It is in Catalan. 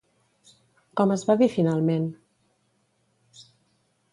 Com es va dir finalment?